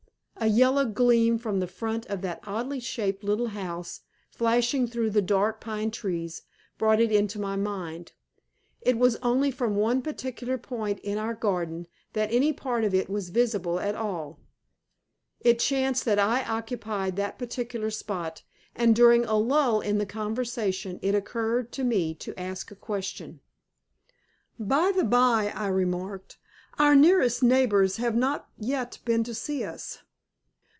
A yellow gleam from the front of that oddly shaped little house, flashing through the dark pine trees, brought it into my mind. It was only from one particular point in our garden that any part of it was visible at all. It chanced that I occupied that particular spot, and during a lull in the conversation it occurred to me to ask a question. "By the by," I remarked, "our nearest neighbors have not yet been to see us?"